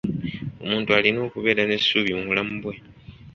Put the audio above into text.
Omuntu alina okubeera n'essuubi mu bulamu bwe.